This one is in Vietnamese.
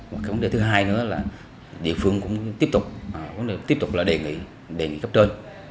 cái vấn đề thứ hai nữa là địa phương cũng tiếp tục là đề nghị cấp trên